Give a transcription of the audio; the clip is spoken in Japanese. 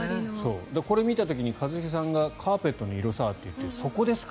これを見た時に一茂さんがカーペットの色さって言うからそこですか？